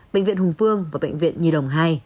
bệnh viện hùng phương và bệnh viện nhì đồng hai